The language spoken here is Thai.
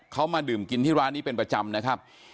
เขามาดื่มกินที่ร้านนี้เป็นประจำนะครับ